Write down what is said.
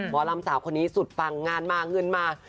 หมอลำสาวคนนี้สุดปังงานมาเงินมา